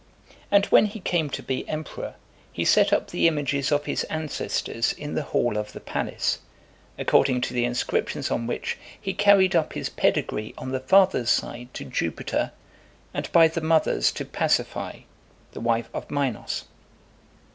And when he came to (401) be emperor, he set up the images of his ancestors in the hall of the palace; according to the inscriptions on which, he carried up his pedigree on the father's side to Jupiter; and by the mother's to Pasiphae, the wife of Minos.